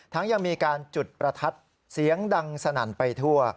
ยังมีการจุดประทัดเสียงดังสนั่นไปทั่ว